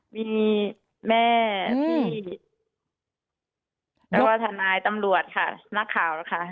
มีแม่พี่แล้วว่าธนายตำรวจค่ะนักข่าวแล้วค่ะ